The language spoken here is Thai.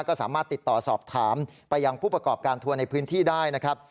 ก็สามารถติดต่อสอบถามไปยังผู้ประกอบการทัวร์ในพื้นที่ได้นะครับ